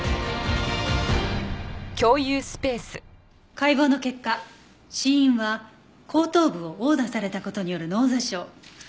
解剖の結果死因は後頭部を殴打された事による脳挫傷。